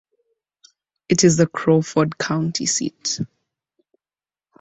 It is the Crawford County seat.